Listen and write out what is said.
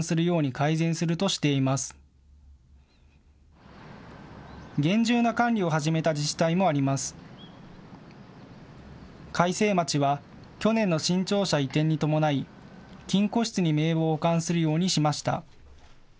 開成町は去年の新庁舎移転に伴い金庫室に名簿を保管するようにしました。